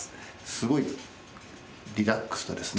すごいリラックスとですね